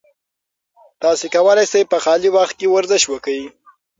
تاسي کولای شئ په خالي وخت کې ورزش وکړئ.